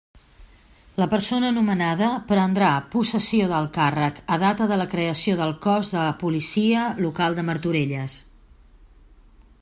La persona nomenada prendrà possessió del càrrec a data de la creació del cos de Policia Local de Martorelles.